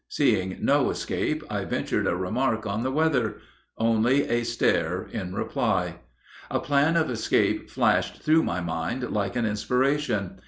Seeing no escape, I ventured a remark on the weather: only a stare in reply. A plan of escape flashed through my mind like an inspiration.